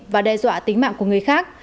và đe dọa tính mạng của người khác